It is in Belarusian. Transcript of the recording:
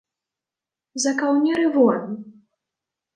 За каўнер і вон.